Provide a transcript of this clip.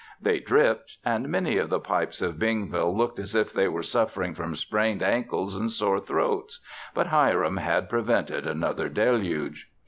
They dripped and many of the pipes of Bingville looked as if they were suffering from sprained ankles and sore throats, but Hiram had prevented another deluge.